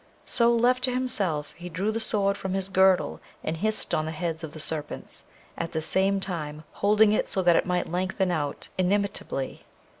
So, left to himself, he drew the Sword from his girdle, and hissed on the heads of the serpents, at the same time holding it so that it might lengthen out inimitably.